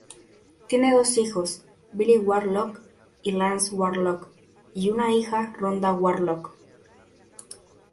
Tiene dos hijos Billy Warlock y Lance Warlock, y una hija Rhonda Warlock.